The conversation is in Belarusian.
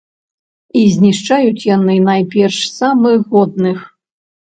І знішчаюць яны найперш самых годных.